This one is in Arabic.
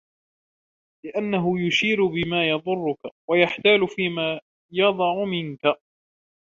لِأَنَّهُ يُشِيرُ بِمَا يَضُرُّك وَيَحْتَالُ فِيمَا يَضَعُ مِنْك